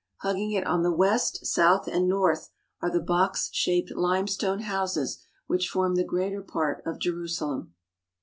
Hugging it on the west, south, and north are the box shaped limestone houses which form the greater part of Jerusalem.